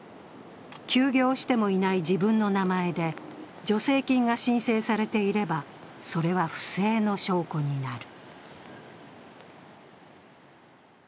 休業してもいない自分の名前で助成金が申請されていれば、それは不正の証拠になる。